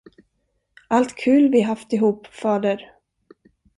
Allt kul vi haft ihop, fader?